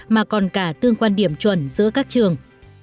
mà còn cả tương quan điểm chuẩn giữa các trường